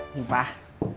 eh ini pak